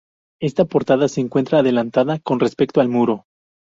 Esta portada se encuentra adelantada con respecto al muro.